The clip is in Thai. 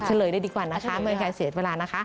เฉลยได้ดีกว่านะคะไม่มีใครเสียเวลานะคะ